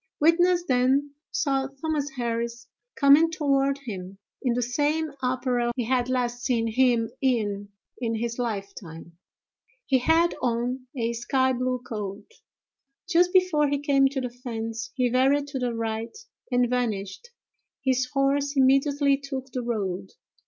Witness then saw Thomas Harris coming toward him, in the same apparel he had last seen him in in his lifetime; he had on a sky blue coat. Just before he came to the fence, he varied to the right and vanished; his horse immediately took the road.